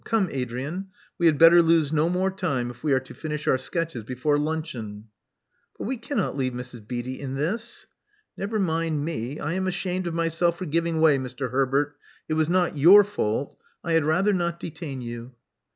Come, Adrian. We had better lose no more time if we are to finish our sketches before luncheon?" But we cannot leave Mrs. Beatty in this "Never mind me: I am ashamed of myself for giving way, Mr. Herbert. It was not your fault. I had rather not detain you."